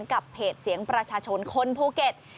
กับเพจเสียงประชาชนคนภูเก็ต